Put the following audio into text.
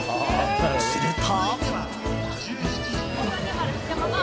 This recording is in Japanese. すると。